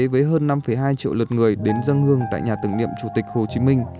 với hơn năm hai triệu lượt người đến dân hương tại nhà tưởng niệm chủ tịch hồ chí minh